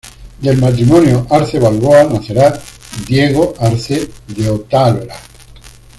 Del matrimonio Arce-Balboa nacerá Diego Arce de Otálora.